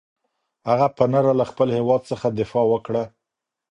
هغه په نره له خپل هېواد څخه دفاع وکړه.